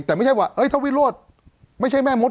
แต่ไม่ใช่ว่าถ้าวิโรธไม่ใช่แม่มด